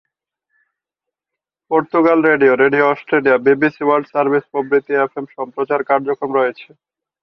Portugal radio, radio Australia, BBC world service প্রভৃতি FM সম্প্রচার কার্যক্রম রয়েছে।